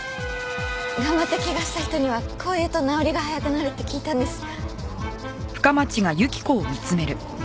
頑張って怪我した人にはこう言うと治りが早くなるって聞いたんです。